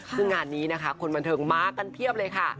ซึ่งงานนี้นะคะคนบันเทิงมากันเพียบเลยค่ะ